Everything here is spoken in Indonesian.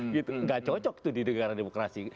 gak cocok itu di negara demokrasi